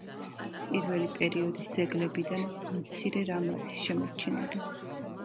პირველი პერიოდის ძეგლებიდან მცირე რამ არის შემორჩენილი.